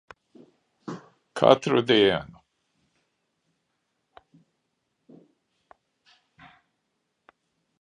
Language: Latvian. Katru dienu.